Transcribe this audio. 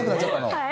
はい。